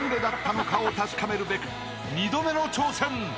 ［確かめるべく２度目の挑戦］